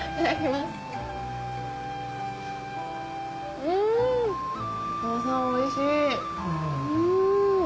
うんお父さんおいしい。